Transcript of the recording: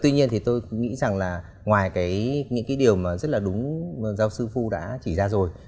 tuy nhiên thì tôi nghĩ rằng là ngoài những cái điều mà rất là đúng giáo sư phu đã chỉ ra rồi